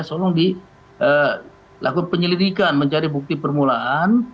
tolong dilakukan penyelidikan mencari bukti permulaan